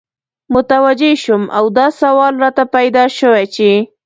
متوجه سوم او دا سوال راته پیدا سو چی